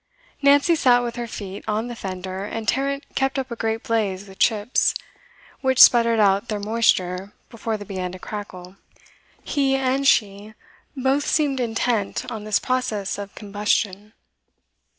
Nancy sat with her feet on the fender, and Tarrant kept up a great blaze with chips, which sputtered out their moisture before they began to crackle. He and she both seemed intent on this process of combustion.